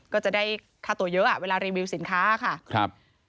ก็จะได้ค่าตัวเยอะเวลารีวิวสินค้าค่ะครับ